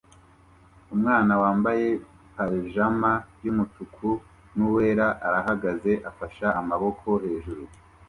Umwana wambaye pajama yumutuku nuwera arahagaze afashe amaboko hejuru